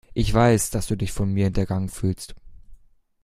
Ich weiß, dass du dich von mir hintergangen fühlst.